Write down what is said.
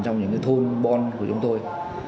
trong những thôn bon của chúng tôi